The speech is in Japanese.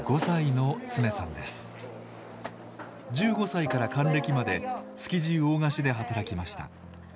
１５歳から還暦まで築地魚河岸で働きました。